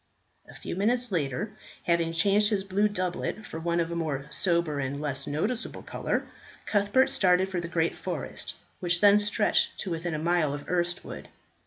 A few minutes later, having changed his blue doublet for one of more sober and less noticeable colour, Cuthbert started for the great forest, which then stretched to within a mile of Erstwood.